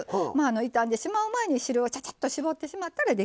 傷んでしまう前に汁をちゃちゃっと搾ってしまったらできますしね。